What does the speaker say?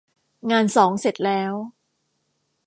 งานสองเสร็จแล้ว